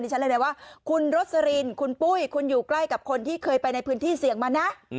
ฉันเรียกเลยว่าคุณรสลินคุณปุ้ยคุณอยู่ใกล้กับคนที่เคยไปในพื้นที่เสี่ยงมานะ